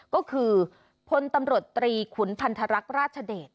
ก็คือพลตำรวจตรีขุนพันธรรคราชเดช